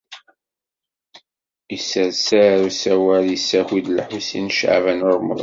Yesserser usawal, yessaki-d Lḥusin n Caɛban u Ṛemḍan.